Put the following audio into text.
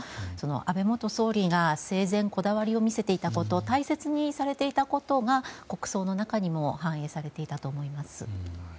安倍元総理が生前こだわりを見せていたこと大切にされていたことが国葬の中にも反映されていたと思います。